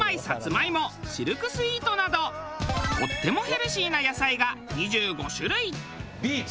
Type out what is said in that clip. シルクスイートなどとってもヘルシーな野菜が２５種類！